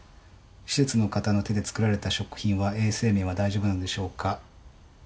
施設の方の手で作られた食品は衛生面は大丈夫なのでしょうか？」。